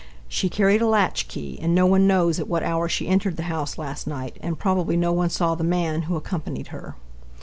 She carried a latch key and no one knows at what hour she entered the house last night, and probably no one saw the man who accompanied her.